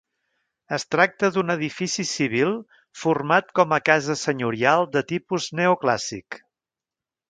Es tracta d'un edifici civil format com a casa senyorial de tipus neoclàssic.